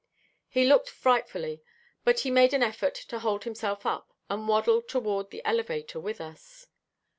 He looked frightfully, but he made an effort to hold himself up, and waddled toward the elevator with us.